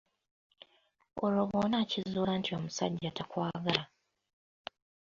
Olwo bw'onakizuula nti omusajja takwagala?